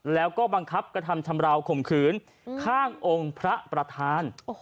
แล้วก็บังคับกระทำชำราวข่มขืนข้างองค์พระประธาน